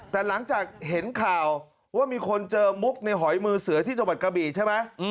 แต่หลังจากเห็นข่าวว่ามีคนเจอมุกในหอยมือเสือที่จังหวัดกระบีใช่ไหม